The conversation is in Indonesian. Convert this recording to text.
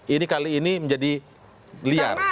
ini kali ini menjadi liar